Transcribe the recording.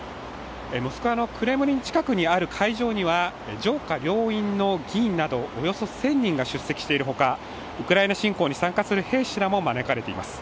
モスクワのクレムリン近くにある会場には上下両院の議員などおよそ１０００人が出席しているほかウクライナ侵攻に参加する兵士らも招かれています。